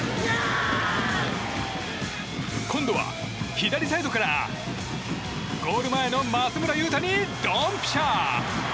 今度は左サイドからゴール前の松村優太にドンピシャ！